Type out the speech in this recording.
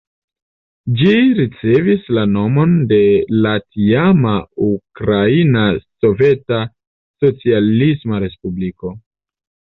Ĝi ricevis la nomon de la tiama Ukraina Soveta Socialisma Respubliko.